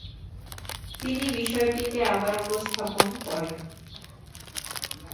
তিনি বিষয়টিকে আবার উপস্থাপন করেন।